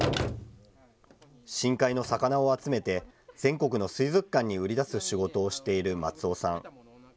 深海の魚を集めて、全国の水族館に売り出す仕事をしている松尾さん。